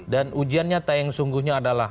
dan ujian nyata yang sungguhnya adalah